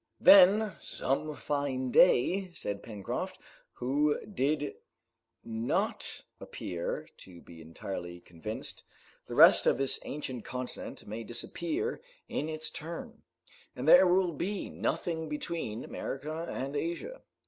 "Then, some fine day," said Pencroft, who did not appear to be entirely convinced, "the rest of this ancient continent may disappear in its turn, and there will be nothing between America and Asia."